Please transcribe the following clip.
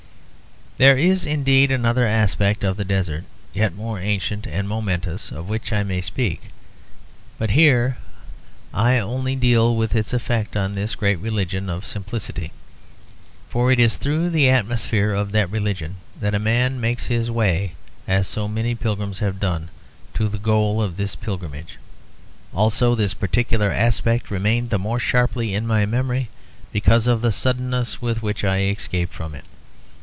There is indeed another aspect of the desert, yet more ancient and momentous, of which I may speak; but here I only deal with its effect on this great religion of simplicity. For it is through the atmosphere of that religion that a man makes his way, as so many pilgrims have done, to the goal of this pilgrimage. Also this particular aspect remained the more sharply in my memory because of the suddenness with which I escaped from it.